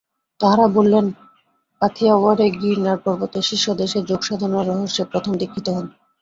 তাঁহারা বলেন, কাথিয়াওয়াড়ে গিরনার পর্বতের শীর্ষদেশে যোগসাধনার রহস্যে প্রথম দীক্ষিত হন।